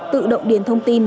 tự động điền thông tin